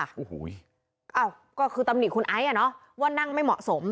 โอ้โหอ้าวก็คือตำหนิคุณไอซ์อ่ะเนอะว่านั่งไม่เหมาะสม